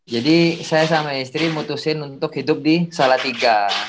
jadi saya sama istri mutusin untuk hidup di salatiga